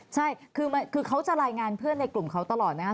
ใช่คือเขาจะรายงานเพื่อนในกลุ่มเขาตลอดนะครับ